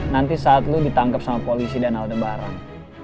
nanti saat lu ditangkep sama polisi dan halde barang